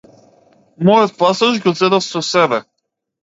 Мојот пасош го зедов со себе.